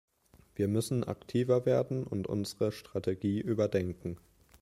Wir müssen aktiver werden und unsere Strategie überdenken.